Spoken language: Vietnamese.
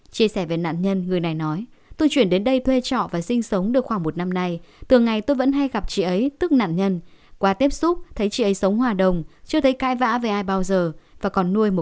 chia sẻ về nạn nhân người này nói